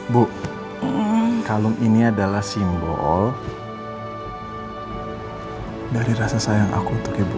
bu kalung ini adalah simbol dari rasa sayang aku untuk ibu